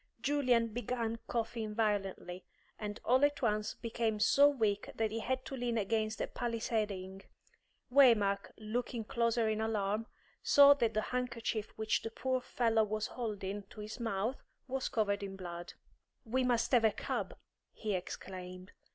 Julian began coughing violently, and all at once became so weak that he had to lean against a palisading. Waymark, looking closer in alarm, saw that the handkerchief which the poor fellow was holding to his mouth was covered with blood. "We must have a cab," he exclaimed.